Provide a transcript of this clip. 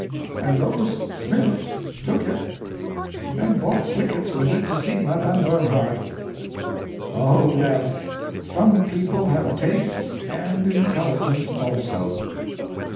And those Smiths took it and bought tickets with it to see Madame Bernhardt. Oh yes, some people have tastes and intelligence also.